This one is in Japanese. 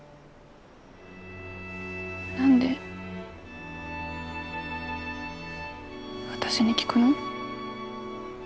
何で私に聞くの？